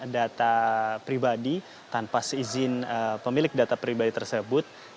data pribadi tanpa seizin pemilik data pribadi tersebut